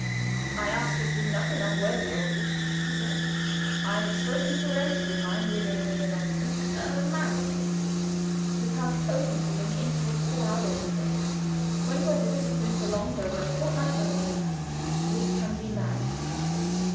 "I ask you to do nothing unworthy of you," he said. "I have spoken to a relative of mine living near London a married lady whose house is open to you in the interval before our wedding day. When your visit has been prolonged over a fortnight only, we can be married.